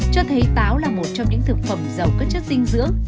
cho thấy táo là một trong những thực phẩm giàu các chất dinh dưỡng